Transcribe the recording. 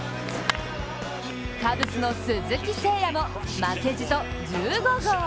カブスの鈴木誠也も負けじと１５号！